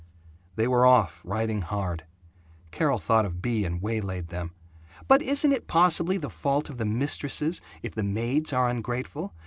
They were off, riding hard. Carol thought of Bea and waylaid them: "But isn't it possibly the fault of the mistresses if the maids are ungrateful?